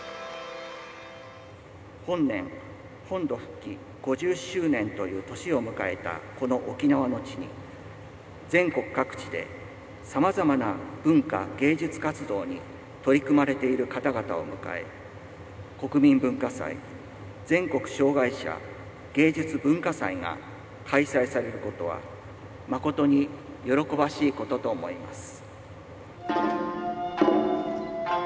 本年、本土復帰５０周年という年を迎えたこの沖縄の地に、全国各地でさまざまな文化芸術活動に取り組まれている方々を迎え、国民文化祭、全国障害者芸術・文化祭が開催されることは、誠に喜ばしいことと思います。